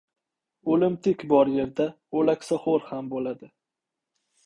• O‘limtik bor yerda o‘laksaxo‘r ham bo‘ladi.